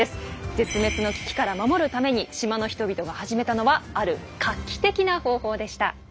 絶滅の危機から守るために島の人々が始めたのはある画期的な方法でした。